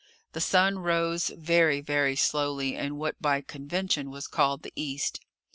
The sun rose very, very slowly in what by convention was called the east.